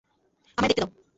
আমায় দেখতে দাও।